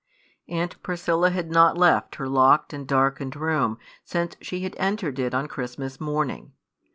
Aunt Priscilla had not left her locked and darkened room since she had entered it on Christmas morning.